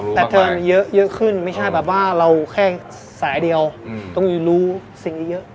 แต่เธอเยอะขึ้นไม่ใช่แบบว่าเราแค่สายเดียวต้องรู้สิ่งนี้เยอะ